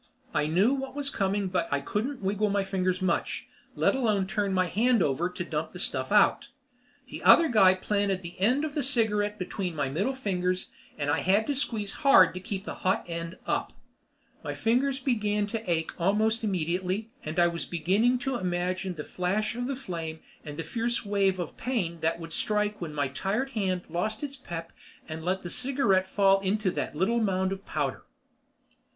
I knew what was coming but I couldn't wiggle my fingers much, let alone turn my hand over to dump out the stuff. The other guy planted the end of the cigarette between my middle fingers and I had to squeeze hard to keep the hot end up. My fingers began to ache almost immediately, and I was beginning to imagine the flash of flame and the fierce wave of pain that would strike when my tired hand lost its pep and let the cigarette fall into that little mound of powder.